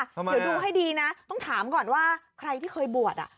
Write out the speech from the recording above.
เพราะมั้ยอ่ะเดี๋ยวดูให้ดีนะต้องถามก่อนว่าใครที่เคยบวชอ่ะ